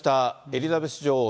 エリザベス女王